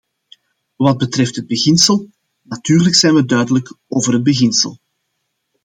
Wat betreft het beginsel: natuurlijk zijn we duidelijk over het beginsel.